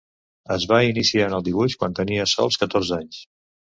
Es va iniciar en el dibuix quan tenia sols catorze anys.